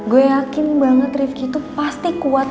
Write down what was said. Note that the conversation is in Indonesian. gue yakin banget rifqi tuh pasti kuat